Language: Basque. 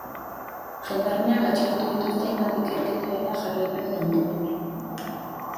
Gendarmeak atxilotu dituzte hainbat ikerketa era jarraipenen ondoren.